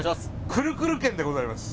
くるくる軒でございます。